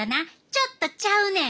ちょっとちゃうねん！